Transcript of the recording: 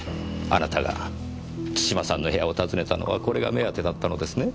あなたが津島さんの部屋を訪ねたのはこれが目当てだったのですね？